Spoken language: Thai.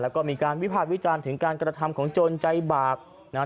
แล้วก็มีการวิพากษ์วิจารณ์ถึงการกระทำของโจรใจบาปนะฮะ